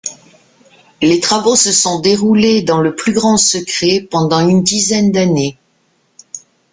Les travaux se sont déroulés dans le plus grand secret pendant une dizaine d'années.